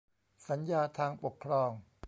สัญญาทางปกครอง